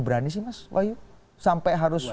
berani sih mas wahyu sampai harus